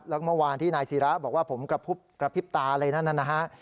แล้วก็เมื่อวานที่นายศิราบอกว่าผมกระพริบตาอะไรนั่นนะฮะ